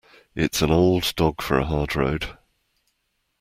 It's an old dog for a hard road.